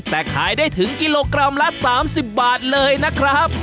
แต่ขายได้ถึงกิโลกรัมละ๓๐บาทเลยนะครับ